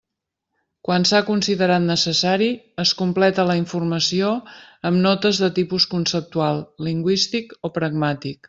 Quan s'ha considerat necessari, es completa la informació amb notes de tipus conceptual, lingüístic o pragmàtic.